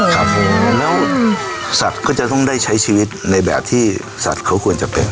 ครับผมแล้วสัตว์ก็จะต้องได้ใช้ชีวิตในแบบที่สัตว์เขาควรจะเป็น